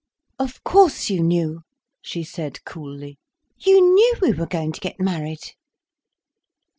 "Of course you knew," she said coolly. "You knew we were going to get married."